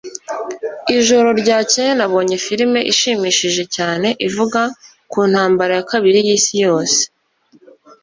Ijoro ryakeye nabonye filime ishimishije cyane ivuga ku Ntambara ya Kabiri y'Isi Yose.